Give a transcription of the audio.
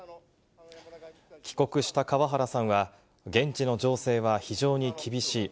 帰国した川原さんは、現地の情勢は非常に厳しい。